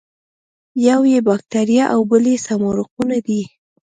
یو یې باکتریا او بل سمارقونه دي.